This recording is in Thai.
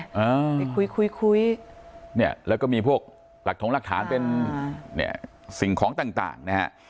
ไปคุยแล้วก็มีพวกหลักท้องรักฐานเป็นสิ่งของต่าง